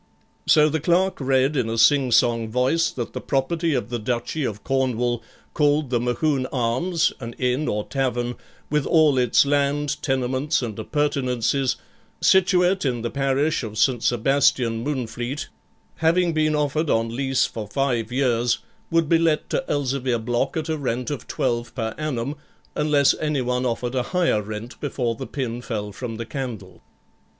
So the clerk read in a singsong voice that the property of the duchy of Cornwall, called the Mohune Arms, an inn or tavern, with all its land, tenements, and appurtenances, situate in the Parish of St. Sebastian, Moonfleet, having been offered on lease for five years, would be let to Elzevir Block at a rent of 12 per annum, unless anyone offered a higher rent before the pin fell from the candle.